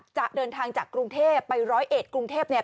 จะเดินทางจากกรุงเทพไปร้อยเอ็ดกรุงเทพเนี่ย